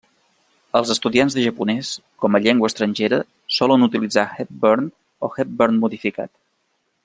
Els estudiants de japonès com a llengua estrangera solen utilitzar Hepburn o Hepburn modificat.